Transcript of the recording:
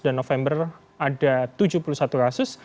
dan november ada tujuh puluh satu kasus